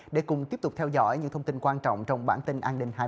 để cùng tiếp tục theo dõi những thông tin quan trọng trong bản tin an ninh hai mươi